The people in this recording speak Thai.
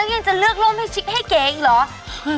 ก็ไม่ดีขนาดนี้แล้วยังเลือกโรปเผ่อยชิ๊บเป้นโรปขึ้นให้เก๋อเองหรอ